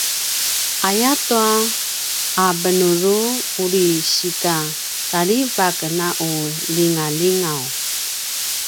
ayatua a benuru uri si’a tarivak na u lingalingaw